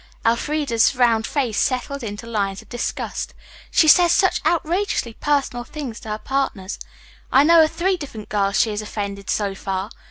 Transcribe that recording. Elfreda's round face settled into lines of disgust. "She says such outrageously personal things to her partners. I know of three different girls she has offended so far.